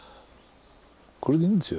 これでいいんですよ